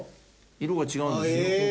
色が違うんですよ。